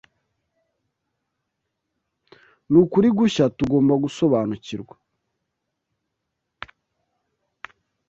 n’ukuri gushya tugomba gusobanukirwa,